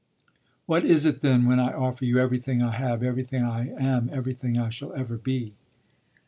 "What is it, then, when I offer you everything I have, everything I am, everything I shall ever be?"